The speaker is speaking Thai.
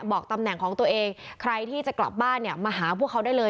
บอกตำแหน่งของตัวเองใครที่จะกลับบ้านเนี่ยมาหาพวกเขาได้เลย